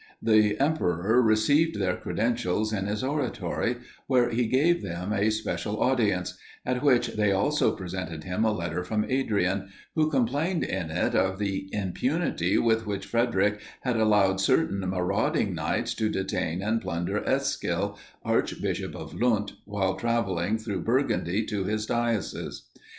The emperor received their credentials in his oratory, where he gave them a special audience; at which they also presented him a letter from Adrian, who complained in it of the impunity with which Frederic had allowed certain marauding knights to detain and plunder Eskill, Archbishop of Lund, while travelling through Burgundy to his diocese.